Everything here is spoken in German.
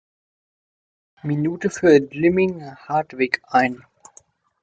Minute für Jimmy Hartwig ein.